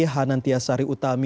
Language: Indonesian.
hanantia sari utami